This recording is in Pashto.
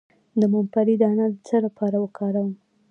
د ممپلی دانه د څه لپاره وکاروم؟